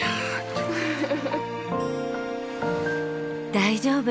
大丈夫！